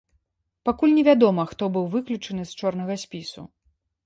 Пакуль невядома, хто быў выключаны з чорнага спісу.